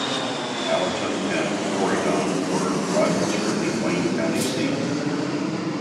Allerton and Corydon were rivals for the Wayne County seat.